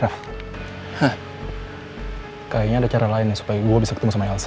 kayaknya ada cara lain ya supaya gue bisa ketemu sama elsa